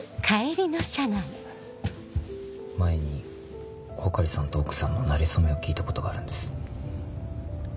前に穂刈さんと奥さんのなれそめを聞いたことがあるんです。